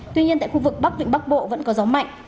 tuy nhiên tại khu vực bắc vịnh bắc bộ vẫn có gió mạnh